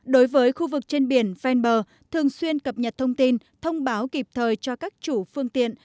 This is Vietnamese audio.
đối với khu vực trên biển venber thường xuyên cập nhật thông tin thông báo kịp thời cho các chủ phương tiện